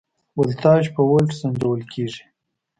ولتاژ په ولټ سنجول کېږي.